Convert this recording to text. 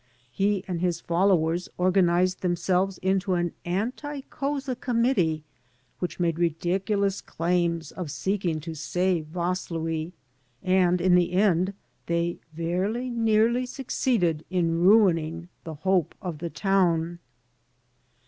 He and his followers organized themselves into an anti Couza committee, which made ridiculous claims of seeking to save Vaslui, and in the end they very nearly succeeded in ruining the hope of the town.